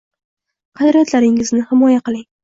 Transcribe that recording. Qadriyatlaringizni himoya qiling